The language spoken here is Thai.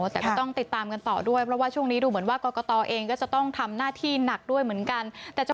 แต่ก็ต้องติดตามกันต่อด้วยเพราะว่าช่วงนี้ดูเหมือนว่ากรกตเองก็จะต้องทำหน้าที่หนักด้วยเหมือนกัน